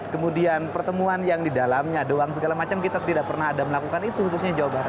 kemudian pertemuan yang di dalamnya doang segala macam kita tidak pernah ada melakukan itu khususnya jawa barat